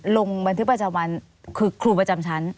ลงบันทึกประจำวันคือครูประจำชั้น